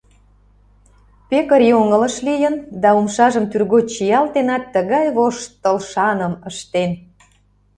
Пекарь йоҥылыш лийын да умшажым тӱргоч чиялтенат, тыгай воштылшаным ыштен.